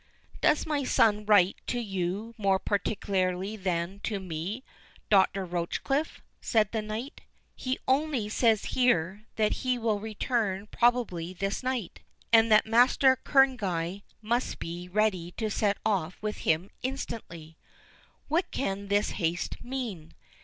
"Does my son write to you more particularly than to me, Doctor Rochecliffe?" said the knight. "He only says here, that he will return probably this night; and that Master Kerneguy must be ready to set off with him instantly. What can this haste mean?